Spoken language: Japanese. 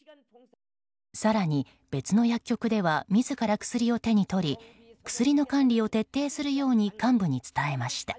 更に別の薬局では自ら薬を手に取り薬の管理を徹底するように幹部に伝えました。